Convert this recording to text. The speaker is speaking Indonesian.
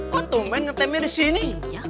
kok tumpen ngertemnya di sini